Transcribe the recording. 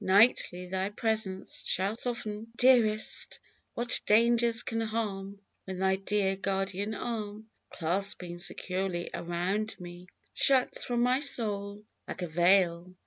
Nightly thy presence shall soften ! Dearest ! what dangers can harm When thy dear guardian arm Clasping securely around me, | Shuts from my soul, like a veil.